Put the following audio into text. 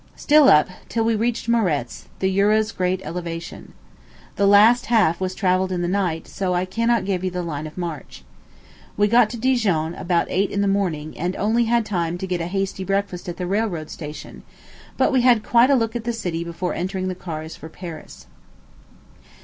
Still up, till we reached Morez, the Jura's greatest elevation. The last half was travelled in the night; so I cannot give you the line of march. We got to Dijon about eight in the morning, and only had time to get a hasty breakfast at the railroad station; but we had quite a look at the city before entering the cars for Paris.